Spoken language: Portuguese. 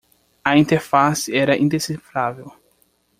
A interface era indecifrável.